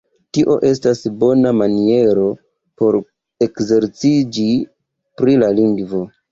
Tio estas bona maniero por ekzerciĝi pri la lingvo.